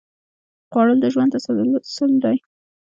خوړل د ژوند تسلسل دی